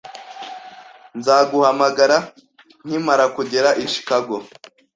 Nzaguhamagara nkimara kugera i Chicago.